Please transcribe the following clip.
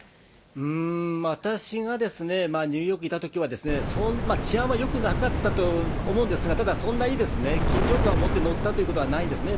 うーん、私がニューヨークいたときは、そんな治安はよくなかったと思うんですが、ただ、そんなに緊張感を持って乗ったということはないですね。